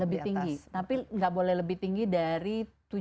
lebih tinggi tapi nggak boleh lebih tinggi dari